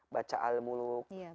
baca al muluk iya